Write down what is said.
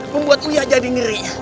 membuat uya jadi ngeri